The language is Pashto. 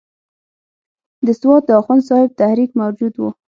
د سوات د اخوند صاحب تحریک موجود وو.